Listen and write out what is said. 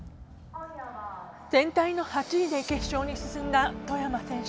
全体の８位で決勝に進んだ外山選手。